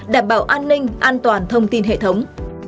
đảm bảo an ninh an toàn thông tin hệ thống